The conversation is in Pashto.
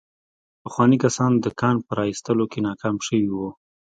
پخواني کسان د کان په را ايستلو کې ناکام شوي وو.